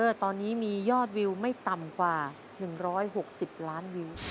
ตอนนี้มียอดวิวไม่ต่ำกว่า๑๖๐ล้านวิว